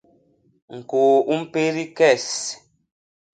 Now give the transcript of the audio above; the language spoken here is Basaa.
ñkôô u mpédi kes!